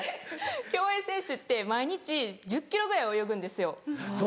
競泳選手って毎日１０ｋｍぐらい泳ぐんですよ。